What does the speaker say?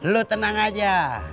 lu tenang aja